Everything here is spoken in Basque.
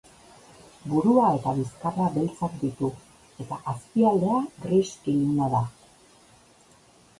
Burua eta bizkarra beltzak ditu eta azpialdea gris iluna da.